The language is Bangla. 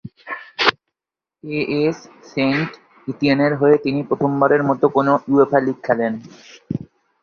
এএস সেন্ট-ইতিয়েনের হয়ে তিনি প্রথমবারের মতো কোন উয়েফা লীগে খেলেন।